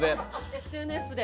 ＳＮＳで。